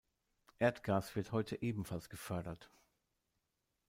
Erdgas wird heute ebenfalls gefördert.